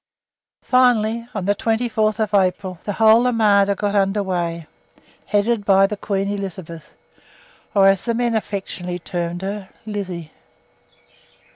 Finally, on the 24th April, the whole armada got under weigh, headed by the Queen Elizabeth, or as the men affectionately termed her, "Lizzie."